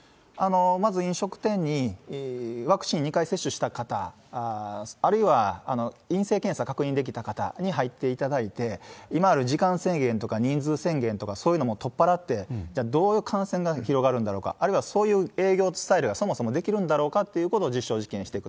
まず飲食店にワクチン２回接種した方、あるいは陰性検査確認できた方に入っていただいて、今ある時間制限とか、人数制限とか、そういうのも取っ払って、じゃあ、どう感染が広がるんだろうか、あるいはそういう営業スタイルがそもそもできるんだろうかということを実証実験していく。